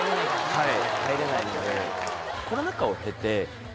はい。